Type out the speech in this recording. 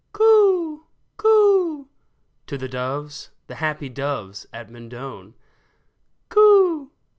coo ! coo !" to the doves — The happy doves at Mendon. *' Coo